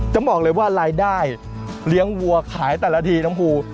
จะบอกเลยว่ารายได้เลี้ยงวัวขายแต่ละทีน้องภู